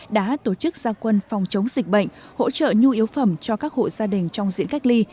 đã tổ chức gia quân phòng chống dịch bệnh hỗ trợ nhu yếu phẩm cho các hộ gia đình trong diễn cách ly